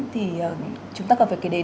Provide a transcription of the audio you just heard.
thì chúng ta có phải kể đến